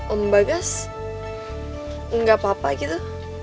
om bagas nggak apa apa gitu